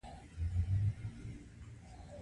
دا په عملي او نظري بڼه وي.